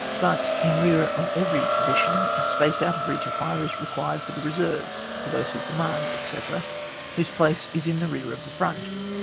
But, in rear of every position, a space out of reach of fire is required for the reserves, for those who command, etc., whose place is in rear of the front.